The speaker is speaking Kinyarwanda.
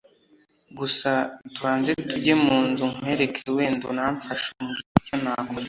gusa tubanze tujye munzu nkwereke wenda unamfashe umbwire icyo nakora